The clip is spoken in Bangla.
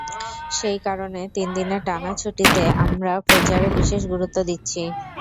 সেই কারণে তিন দিনের টানা ছুটিতে আমরা প্রচারে বিশেষ গুরুত্ব দিচ্ছি।